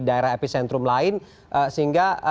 daerah epicentrum lain sehingga